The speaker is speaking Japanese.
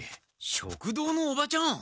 食堂のおばちゃん！